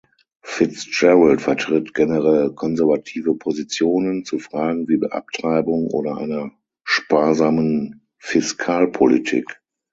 Fitzgerald vertritt generell konservative Positionen zu Fragen wie Abtreibung oder einer sparsamen Fiskalpolitik.